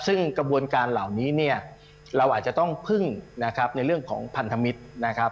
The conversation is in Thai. ซึ่งกระบวนการเหล่านี้เนี่ยเราอาจจะต้องพึ่งนะครับในเรื่องของพันธมิตรนะครับ